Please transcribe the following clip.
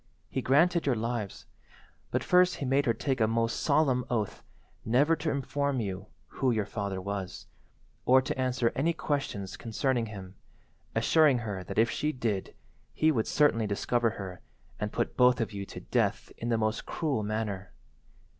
He granted your lives, but first he made her take a most solemn oath never to inform you who your father was, or to answer any questions concerning him, assuring her that if she did he would certainly discover her and put both of you to death in the most cruel manner.